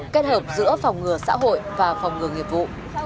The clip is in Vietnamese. kết hợp giữa phòng ngừa xã hội và phòng ngừa nghiệp vụ